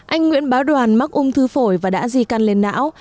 anh nguyễn báo đoàn mắc ung thư phổi và đã di căn lên não